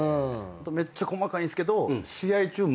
めっちゃ細かいんすけど。